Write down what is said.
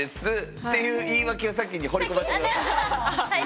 っていう言い訳を先に放り込ませてください。